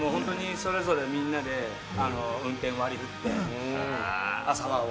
それぞれみんなで運転を割り振って、朝は俺！